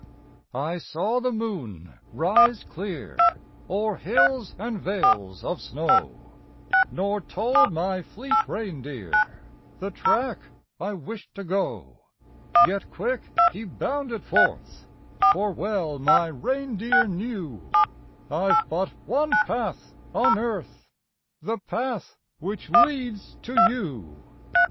I saw the moon rise clear O'er hills and vales of snow Nor told my fleet reindeer The track I wished to go. Yet quick he bounded forth; For well my reindeer knew I've but one path on earth The path which leads to you.